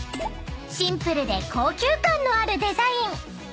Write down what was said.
［シンプルで高級感のあるデザイン］